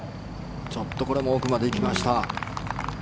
ちょっとこれも奥まで行きました。